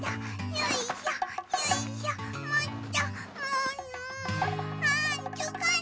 よいしょよいしょと。